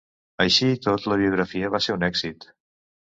Així i tot, la biografia va ser un èxit.